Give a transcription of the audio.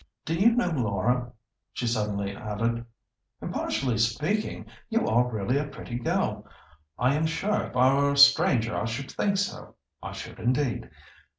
"Do you know, Laura," she suddenly added, "impartially speaking, you are really a pretty girl! I am sure if I were a stranger I should think so; I should indeed.